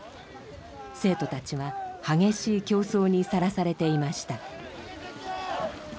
生徒たちは激しい競争にさらされていました。